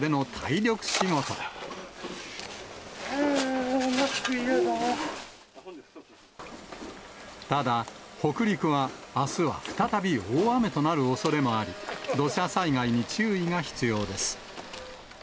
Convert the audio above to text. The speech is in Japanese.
あー、ただ、北陸はあすは再び大雨となるおそれもあり、土砂災害に注意が必要です。